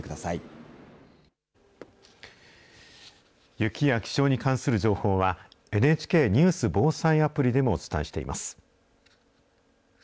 雪や気象に関する情報は、ＮＨＫニュース・防災アプリでもお伝えしています。